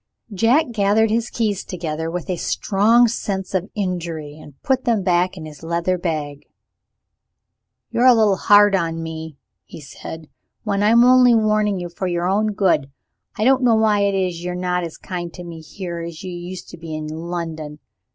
Jack gathered his keys together with a strong sense of injury, and put them back in his leather bag. "You're a little hard on me," he said, "when I'm only warning you for your own good. I don't know why it is, you're not as kind to me here, as you used to be in London.